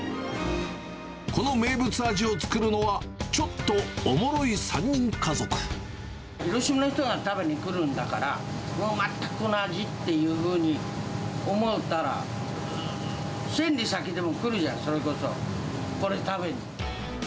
この名物味を作るのは、広島の人が食べに来るんだから、もう全くこの味っていうふうに思うたら、千里先でも来るじゃろ、それこそ、これ食べに。